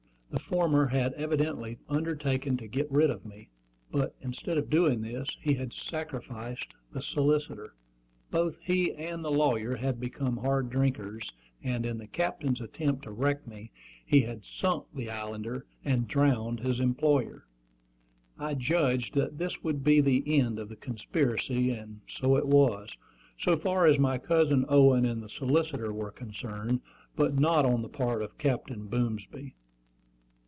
The former had evidently undertaken "to get rid of me;" but, instead of doing this, he had sacrificed the solicitor. Both he and the lawyer had become hard drinkers, and in the Captain's attempt to wreck me, he had sunk the Islander and drowned his employer. I judged that this would be the end of the conspiracy; and so it was, so far as my cousin Owen and the solicitor were concerned, but not on the part of Captain Boomsby.